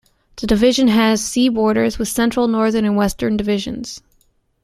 The division has sea borders with Central, Northern and Western Divisions.